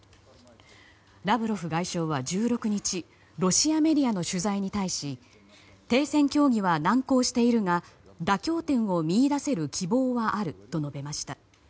ラブロフ外相は１６日ロシアメディアの取材に対し停戦協議は難航しているが妥協点を見いだせる希望はあると述べました。